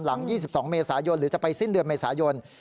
๒๒เมษายนหรือจะไปสิ้นเดือนเมษายน